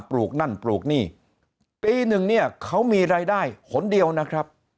ปลูกนั่นปลูกนี่ปีหนึ่งเนี่ยเขามีรายได้หนเดียวนะครับ